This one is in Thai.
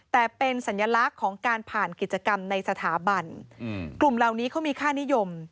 แต่เป็นสัญลักษณ์ของการผ่านกิจกรรมในสถาบันกลุ่มเหล่านี้เขามีค่านิยม